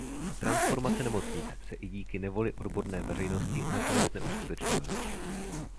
Transformace nemocnic se i díky nevoli odborné veřejnosti nakonec neuskutečnila.